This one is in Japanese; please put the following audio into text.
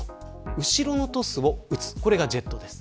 後ろのトスを打つこれがジェットです。